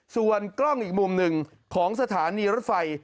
ส่วนกล้องอีกมุมหนึ่งของสถานีรถไฟ